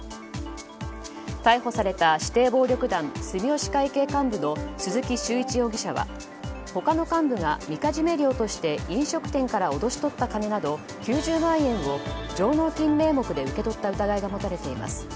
逮捕された指定暴力団住吉会系組幹部の鈴木修一容疑者は他の幹部がみかじめ料として飲食店から脅し取った金など９０万円を上納金名目で受け取った疑いが持たれています。